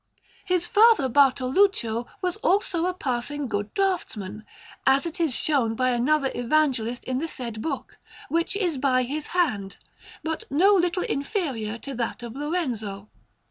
His father Bartoluccio was also a passing good draughtsman, as it is shown by another Evangelist in the said book, which is by his hand, but no little inferior to that of Lorenzo.